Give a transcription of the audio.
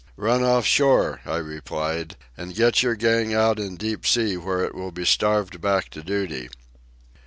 "Run off shore," I replied, "and get your gang out in deep sea where it will be starved back to duty."